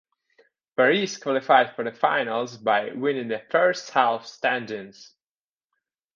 Paris qualified for the Finals by winning the first–half standings.